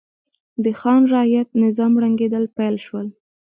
د خان رعیت نظام ړنګېدل پیل شول.